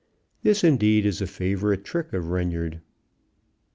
This, indeed, is a favorite trick of Reynard.